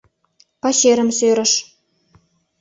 Пачерым сӧрыш.